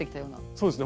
そうですね。